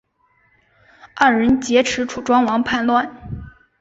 二人劫持楚庄王叛乱。